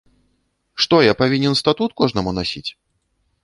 Што, я павінен статут кожнаму насіць?